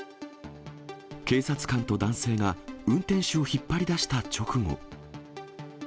警察官と男性が、運転手を引っ張り出した直後。